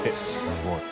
すごい。